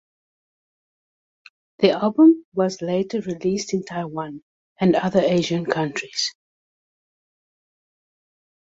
The album was later released in Taiwan and other Asian countries.